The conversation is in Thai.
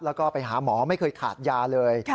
แล้วก็ไปหาหมอไม่เคยขาดยาเลย